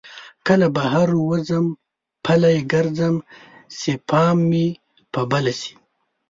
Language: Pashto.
کله بهر وځم پلی ګرځم چې پام مې په بله شي.